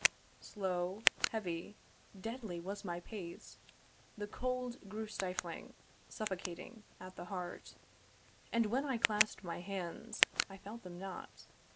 Slow, heavy, deadly was my pace: the cold Grew stifling, suffocating, at the heart; And when I clasp'd my hands I felt them not.